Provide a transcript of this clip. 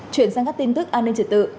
chuyển sang các tin tức an ninh triệt tự